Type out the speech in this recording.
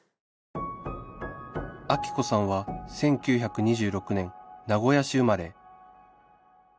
アキ子さんは１９２６年名古屋市生まれ